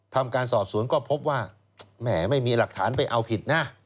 ทำการสอบสวนก็พบว่าแหมไม่มีหลักฐานไปเอาผิดนะ